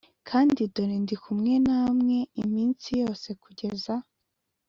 Kandi dore ndi kumwe namwe iminsi yose kugeza